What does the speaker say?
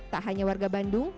tak hanya warga bandung